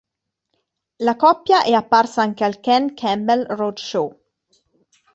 La coppia è apparsa anche al Ken Campbell Road Show.